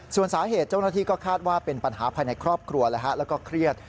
ส่วนสาเหตุเจ้าหน้าที่ก็คาดว่าเป็นปัญหาภายในครอบครัวแล้วก็เครียด